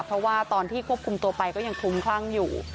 เพราะว่าตอนที่ควบคุมตัวไปก็ยังคลุมคลั่งอยู่